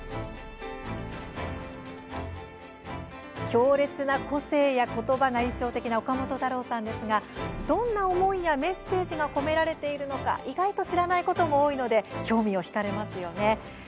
強烈な個性や言葉が印象的な岡本太郎さんですがどんな思いやメッセージが込められているのか意外と知らないことも多いので興味を引かれますね。